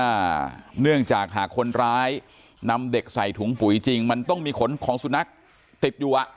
เนื่องจากหากคนร้ายนำเด็กใส่ถุงปุ๋ยจริงมันต้องมีขนของสุนัขติดอยู่อ่ะ